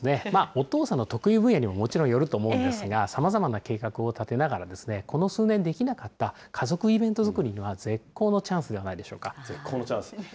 お父さんの得意分野にも、もちろんよると思うんですけれども、さまざまな計画を立てながら、この数年できなかった家族イベント作りには絶好のチ絶好のチャンス。